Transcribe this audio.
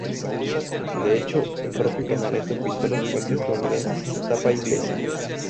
De hecho, el propio Canaletto pintó los puentes londinenses en su etapa inglesa.